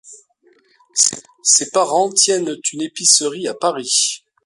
Ses parents tiennent une épicerie à Paris.